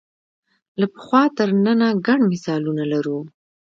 له پخوا تر ننه ګڼ مثالونه لرو